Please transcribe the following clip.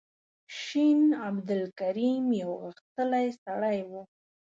شین عبدالکریم یو غښتلی سړی و.